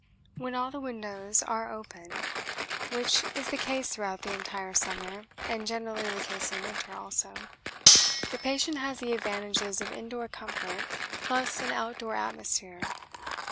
When all the windows are open (which is the case throughout the entire summer and generally the case in winter also) the patient has the advantages of indoor comfort plus an outdoor atmosphere.